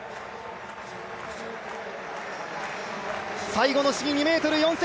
最後の試技２ｍ４ｃｍ。